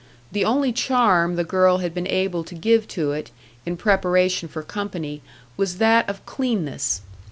The only charm the girl had been able to give to it, in preparation for company, was that of cleanness.